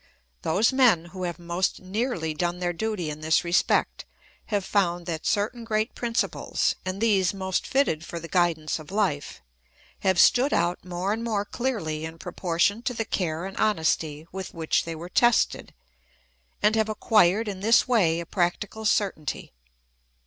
Those men who have most nearly done their duty in this respect have found that certain great principles, and these most fitted for the guidance of life, have stood out more and more clearly in propor tion to the care and honesty with which they were tested, and have acquired in this way a practical certainty.